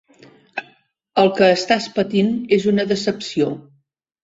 El que estàs patint és una decepció.